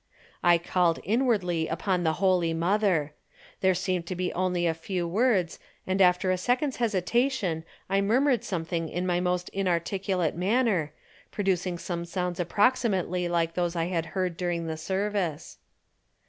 I called inwardly upon the Holy Mother. There seemed to be only a few words and after a second's hesitation I murmured something in my most inarticulate manner, producing some sounds approximately like those I had heard during the service.